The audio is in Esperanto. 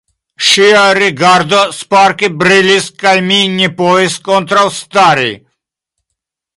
Ŝia rigardo sparke brilis kaj mi ne povis kontraŭstari.